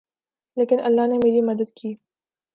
لیکن اللہ نے میری مدد کی